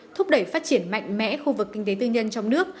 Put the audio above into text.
thúc đẩy phát triển mạnh mẽ khu vực kinh tế tư nhân trong nước